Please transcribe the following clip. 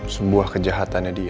sebuah kejahatannya dia